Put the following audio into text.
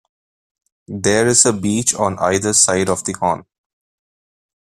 There is a beach on either side of the horn.